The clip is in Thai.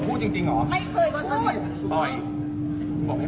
โปรดติดตามต่อไป